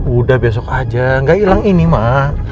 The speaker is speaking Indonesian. udah besok aja gak ilang ini mak